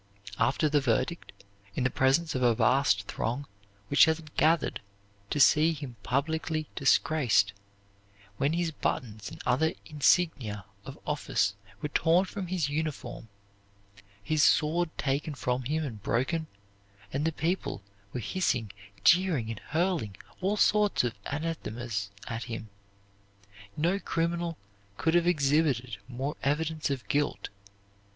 After the verdict, in the presence of a vast throng which had gathered to see him publicly disgraced, when his buttons and other insignia of office were torn from his uniform, his sword taken from him and broken, and the people were hissing, jeering, and hurling all sorts of anathemas at him, no criminal could have exhibited more evidence of guilt.